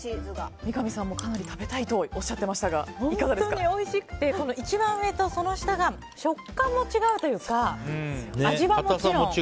三上さんも、かなり食べたいとおっしゃっていましたが本当においしくて一番上とその下が食感も違うというか味わいも違う。